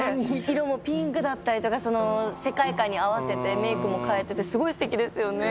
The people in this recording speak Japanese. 色もピンクだったりとか世界観に合わせてメークも変えててすごいすてきですよね。